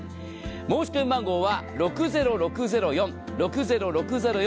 申し込み番号は６０６０４６０６０４。